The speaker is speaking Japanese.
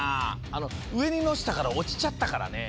あのうえにのしたからおちちゃったからね。